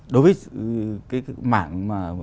đối với cái mạng